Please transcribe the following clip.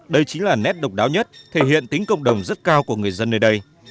đây chính là nét độc đáo nhất thể hiện tính cộng đồng rất cao của người dân nơi đây